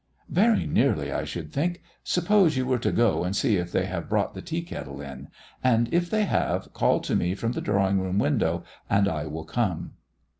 "Very nearly, I should think. Suppose you were to go and see if they have brought the tea kettle in; and if they have, call to me from the drawing room window, and I will come."